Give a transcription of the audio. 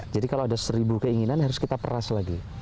jadi kalau ada seribu keinginan harus kita peras lagi